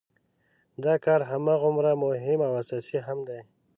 دا کار هماغومره مهم او اساسي هم دی.